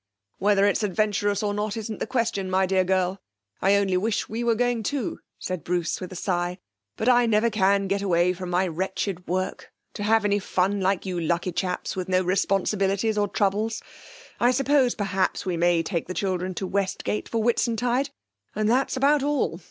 'Whether it's adventurous or not isn't the question, my dear girl; I only wish we were going too,' said Bruce, with a sigh; 'but, I never can get away from my wretched work, to have any fun, like you lucky chaps, with no responsibilities or troubles! I suppose perhaps we may take the children to Westgate for Whitsuntide, and that's about all.